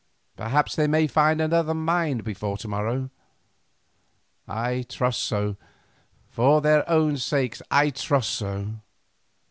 Perhaps they may find another mind before to morrow. I trust so, for their own sakes I trust so!"